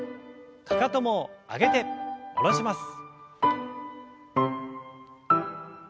かかとも上げて下ろします。